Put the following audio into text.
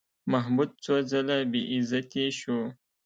محمود څو ځله بېعزتي شو.